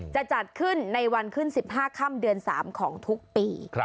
จะจัดขึ้นในวันขึ้น๑๕ค่ำเดือน๓ของทุกปี